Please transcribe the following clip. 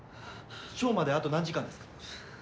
ショーまであと何時間ですか？